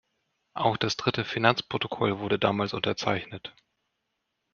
Auch das Dritte Finanzprotokoll wurde damals unterzeichnet.